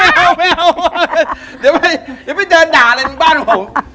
ไม่เอาไม่เอาเดี๋ยวไปเดี๋ยวไปเดินด่าอะไรบ้านผม